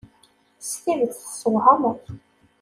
S tidet tessewhameḍ.